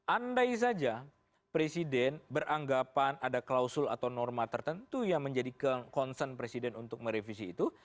andai saja presiden beranggapan ada klausul atau norma tertentu yang menjadi concern presiden untuk merevisi itu